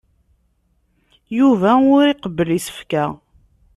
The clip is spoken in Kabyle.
Yuba ur iqebbel isefka.